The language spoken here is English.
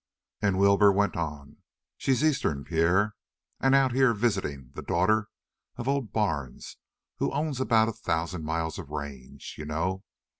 And Wilbur went on: "She's Eastern, Pierre, and out here visiting the daughter of old Barnes who owns about a thousand miles of range, you know.